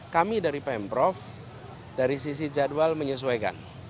kami dari pm prof dari sisi jadwal menyesuaikan